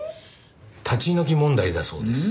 立ち退き問題だそうです。